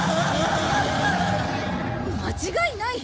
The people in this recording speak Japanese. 間違いない！